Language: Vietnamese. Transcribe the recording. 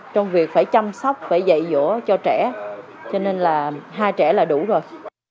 trong việc phải chăm sóc phải dạy dỗ cho trẻ cho nên là hai trẻ là đủ rồi